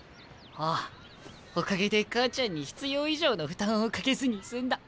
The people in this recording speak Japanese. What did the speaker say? ああおかげで母ちゃんに必要以上の負担をかけずに済んだ。